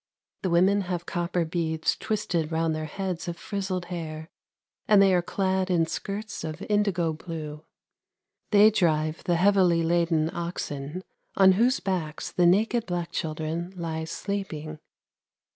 The women have copper beads twisted round their heads of frizzled hair, and they are clad in skirts of indigo blue. They drive the heavily laden oxen, on whose backs the naked black children lie sleeping.